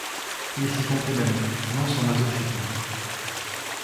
Il s'y complaît même, non sans masochisme.